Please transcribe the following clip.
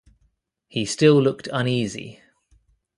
He still looked uneasy.